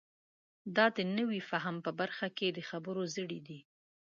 دا د نوي فهم په برخه کې د خبرو زړی دی.